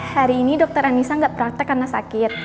hari ini dokter aonisa enggak praktek karena sakit